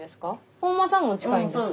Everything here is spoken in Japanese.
本間さんも近いんですか？